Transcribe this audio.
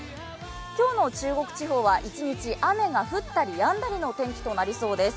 今日の中国地方は一日、雨が降ったりやんだりのお天気となりそうです。